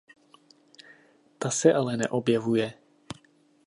Ta se ale neobjevuje.